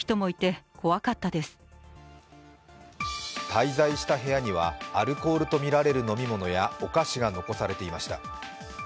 滞在した部屋にはアルコールとみられる飲み物やお菓子が残されていました。